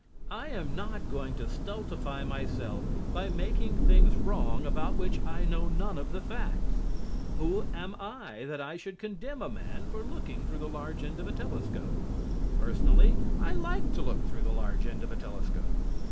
I am not going to stultify myself by making things wrong about which I know none of the facts. Who am I that I should condemn a man for looking through the large end of a telescope? Personally, I like to look through the large end of a telescope.